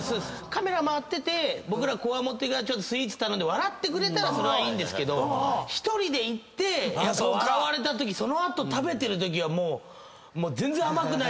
カメラ回ってて僕らこわもてがスイーツ頼んで笑ってくれたらそれはいいけど１人で行って笑われたときその後食べてるときはもう。